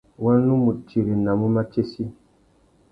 Wa nu mù tirenamú matsessi.